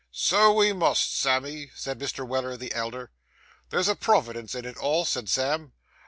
'So we must, Sammy,' said Mr. Weller the elder. 'There's a Providence in it all,' said Sam.